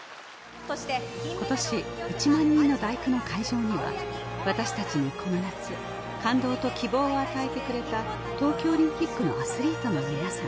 今年「１万人の第九」の会場には私たちにこの夏感動と希望を与えてくれた東京オリンピックのアスリートのみなさん